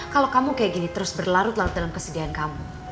kalau kamu kayak gini terus berlarut larut dalam kesedihan kamu